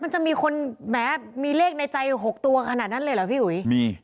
จะมีคนแม้มีเลขในใจ๖ตัวขนาดนั้นเลยเหรอพี่อุ๋ยมี